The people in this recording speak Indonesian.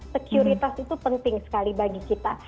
sekuritas itu penting sekali bagi kita